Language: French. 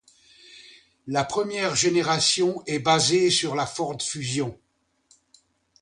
La première génération est basée sur la Ford Fusion.